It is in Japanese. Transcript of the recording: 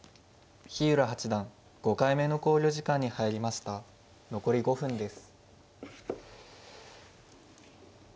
日浦八段５回目の考慮時間に入りました残り５分です。